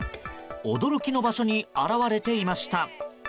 驚きの場所に現れていました。